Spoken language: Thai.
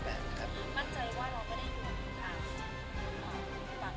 คุณแผนมันมีมั่นใจว่าเราก็ได้มีความรู้สึกของคุณแผนครับ